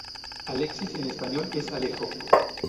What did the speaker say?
Alexis en español es Alejo.